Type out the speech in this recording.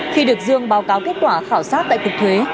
khi được dương báo cáo kết quả khảo sát tại cục thuế